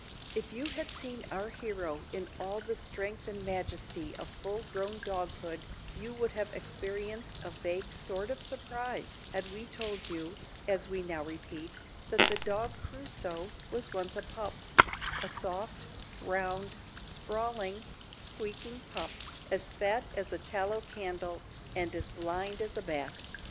If you had seen our hero in all the strength and majesty of full grown doghood, you would have experienced a vague sort of surprise had we told you as we now repeat that the dog Crusoe was once a pup a soft, round, sprawling, squeaking pup, as fat as a tallow candle, and as blind as a bat.